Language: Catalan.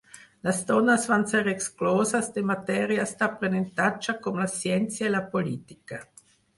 Les dones van ser excloses de matèries d'aprenentatge com la ciència i la política.